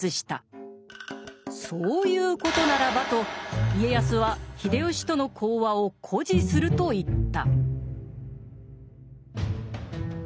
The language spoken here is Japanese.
「そういうことならば」と家康は秀吉との講和を固辞すると言った。